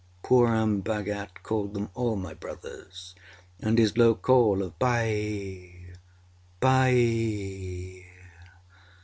Purun Bhagat called them all âmy brothers,â and his low call of âBhai! Bhai!